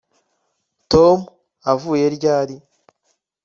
tom avuye ryari